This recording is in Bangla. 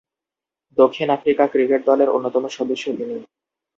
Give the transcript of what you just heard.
দক্ষিণ আফ্রিকা ক্রিকেট দলের অন্যতম সদস্য তিনি।